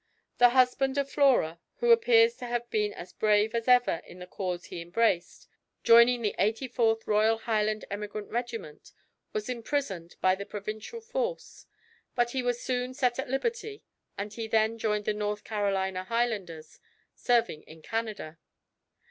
The husband of Flora, who appears to have been as brave as ever in the cause he embraced, joining the 84th Royal Highland Emigrant Regiment, was imprisoned by the provincial force; but he was soon set at liberty, and he then joined the North Carolina Highlanders, serving in Canada.